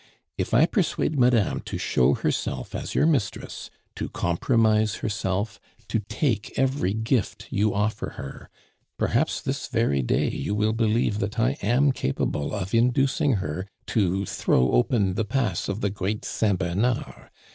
If I persuade madame to show herself as your mistress, to compromise herself, to take every gift you offer her, perhaps this very day, you will believe that I am capable of inducing her to throw open the pass of the Great Saint Bernard.